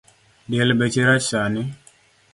Diel beche rach sani